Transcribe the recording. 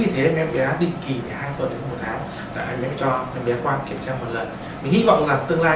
vì thế em bé định kỳ hai tuần đến một tháng là em bé mới cho em bé qua kiểm tra một lần mình hy vọng là